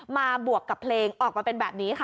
บวกกับเพลงออกมาเป็นแบบนี้ค่ะ